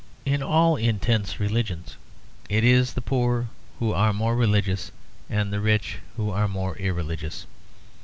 In all intense religions it is the poor who are more religious and the rich who are more irreligious.